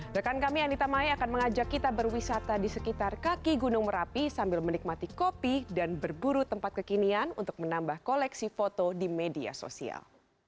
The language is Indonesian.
rekan kami anita mai akan mengajak kita berwisata di sekitar kaki gunung merapi sambil menikmati kopi dan berburu tempat kekinian untuk menambah koleksi foto di media sosial